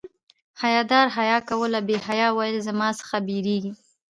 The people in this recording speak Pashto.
حیا دار حیا کوله بې حیا ویل زما څخه بيریږي